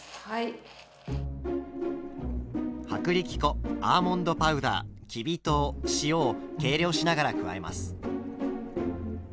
薄力粉アーモンドパウダーきび糖塩を計量しながら加えます。